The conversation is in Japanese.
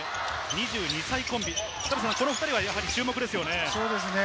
２２歳コンビ、この２人は注目ですね。